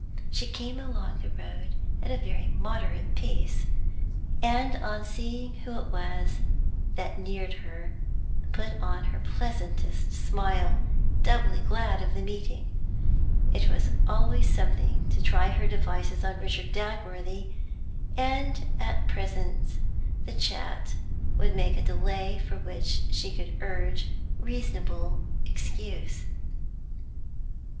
So she came along the road at a very moderate pace, and, on seeing who it was that neared her, put on her pleasantest smile, doubly glad of the meeting; it was always something to try her devices on Richard Dagworthy, and at present the chat would make a delay for which she could urge reasonable excuse.